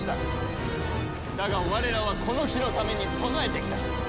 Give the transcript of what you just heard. だが我らはこの日のために備えてきた。